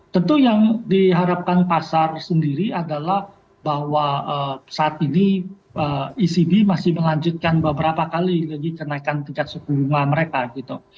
tentu yang diharapkan pasar sendiri adalah bahwa saat ini ecb masih melanjutkan beberapa kali lagi kenaikan tingkat suku bunga mereka gitu